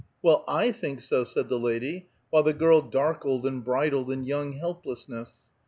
"Well, I think so," said the lady, while the girl darkled and bridled in young helplessness.